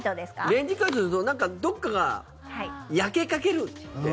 レンジ解凍するとどっかが焼けかけるって。